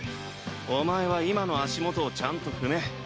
お前は今の足元をちゃんと踏め。